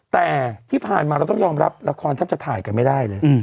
แต่ที่ผ่านมาเราต้องยอมรับละครแทบจะถ่ายกันไม่ได้เลย